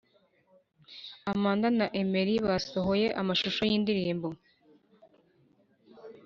Amanda na amelie basohoye amashusho y’indirimbo